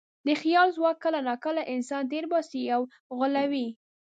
د خیال ځواک کله ناکله انسان تېر باسي او غولوي.